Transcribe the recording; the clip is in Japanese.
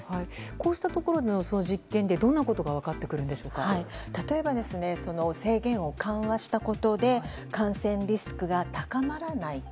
こうしたところの実験でどんなことが例えば制限を緩和したことで感染リスクが高まらないか